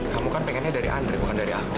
kamu kan pengennya dari andre bukan dari aku